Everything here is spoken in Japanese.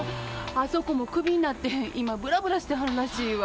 あそこもクビになって今ブラブラしてはるらしいわ。